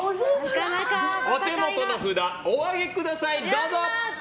お手元の札、お上げください！